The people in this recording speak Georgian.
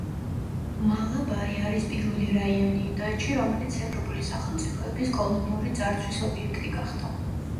მალაბარი არის პირველი რაიონი ინდოეთში, რომელიც ევროპული სახელმწიფოების კოლონიური ძარცვის ობიექტი გახდა.